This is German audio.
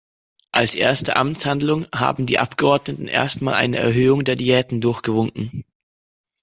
Als erste Amtshandlung haben die Abgeordneten erst mal eine Erhöhung der Diäten durchgewunken.